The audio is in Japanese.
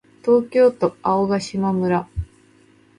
東京都青ヶ島村